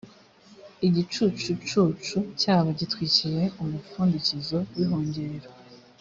igicucu cyabo gitwikiriye umupfundikizo w’ ihongerero.